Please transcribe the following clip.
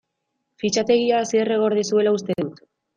Fitxategia Asierrek gorde zuela uste dut.